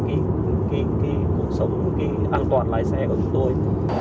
cái cuộc sống cái an toàn lái xe của chúng tôi